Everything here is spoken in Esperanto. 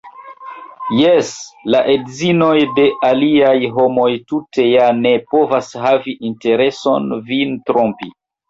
Jes, la edzinoj de aliaj homoj tute ja ne povas havi intereson vin trompi!